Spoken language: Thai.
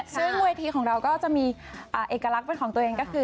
ซึ่งเวทีของเราก็จะมีเอกลักษณ์เป็นของตัวเองก็คือ